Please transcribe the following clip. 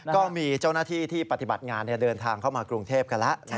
ก็มีเจ้าหน้าที่ที่ปฏิบัติงานเดินทางเข้ามากรุงเทพกันแล้ว